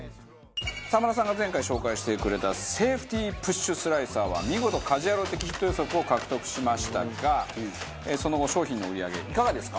澤村さんが前回紹介してくれたセーフティープッシュスライサーは見事家事ヤロウ的ヒット予測を獲得しましたがその後商品の売り上げいかがですか？